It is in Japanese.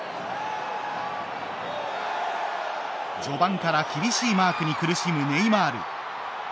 序盤から厳しいマークに苦しむネイマール。